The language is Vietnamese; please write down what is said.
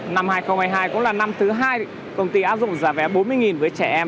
năm hai nghìn hai mươi hai cũng là năm thứ hai công ty áp dụng giá vé bốn mươi với trẻ em